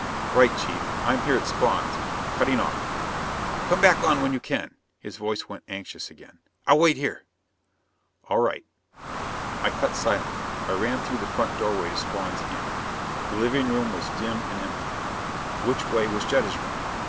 "Right, Chief. I'm here at Spawn's, cutting off." "Come back on when you can." His voice went anxious again. "I'll wait here." "All right." I cut silent. I ran through the front doorway of Spawn's inn. The living room was dim and empty. Which way was Jetta's room?